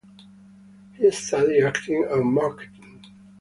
He studied acting and marketing.